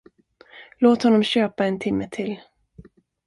Låt honom köpa en timme till.